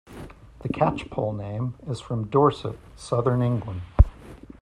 The Catchpole name is from Dorset, Southern England.